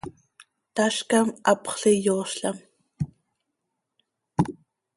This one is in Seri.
tazcam, hapxöl iyoozlam.